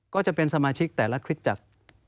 ก็จะเป็นสมาชิกแต่ละคริสตจักร